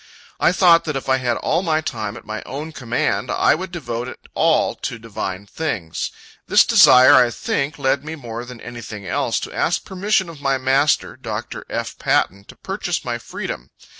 I thought that if I had all my time at my own command, I would devote it all to divine things. This desire I think, led me more than anything else, to ask permission of my master, Dr. F. Patten, to purchase my freedom.